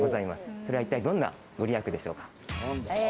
それは一体どんな御利益でしょうか？